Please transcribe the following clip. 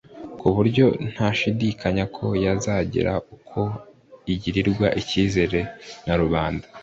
ku buryo ntashidikanya ko yazagira uko igirirwa icyizere na rubanda